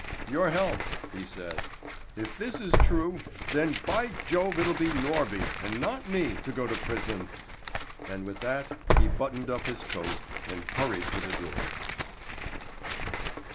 "Your health!" he said. "If this is true, then by Jove it'll be Norby and not me to go to prison!" And with that he buttoned up his coat and hurried to the door.